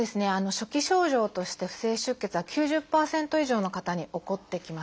初期症状として不正出血は９０％以上の方に起こってきます。